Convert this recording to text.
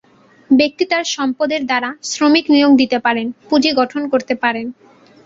ব্যক্তি তাঁর সম্পদের দ্বারা শ্রমিক নিয়োগ দিতে পারেন, পুঁজি গঠন করতে পারেন।